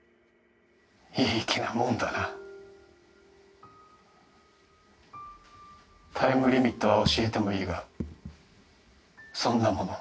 いい気なもんだなタイムリミットは教えてもいいがそんなもの